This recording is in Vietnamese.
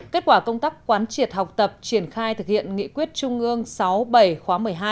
kết quả công tác quán triệt học tập triển khai thực hiện nghị quyết trung ương sáu bảy khóa một mươi hai